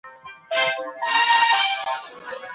روغتیایي مجلې څه خپروي؟